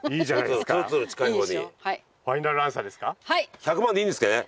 １００万でいいんですね？